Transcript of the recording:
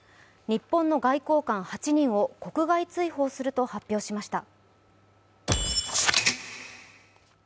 日本の外交官８人を国外追放すると発表しました。